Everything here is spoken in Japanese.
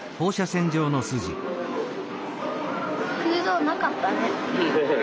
空洞なかったね。